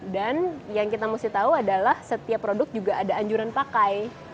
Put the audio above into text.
dan yang kita mesti tahu adalah setiap produk juga ada anjuran pakai